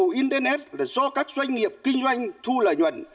dịch vụ internet do các doanh nghiệp kinh doanh thu lợi nhuận